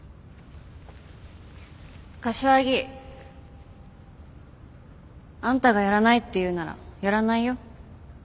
柏木あんたがやらないっていうならやらないよ。